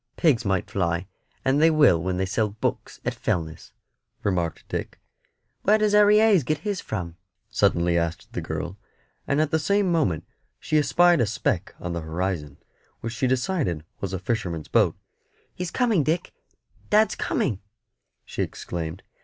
"Pigs might fly, and they will when they sells books at Fellness," remarked Dick. "Where does Harry Hayes get his from?" suddenly asked the girl; and at the same moment she espied a speck on the horizon, which she decided was a fisherman's boat. "He's coming, Dick, dad's coming," she exclaimed.